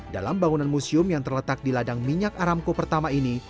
dalam bangunan museum yang terletak di ladang minyak aramco pertama ini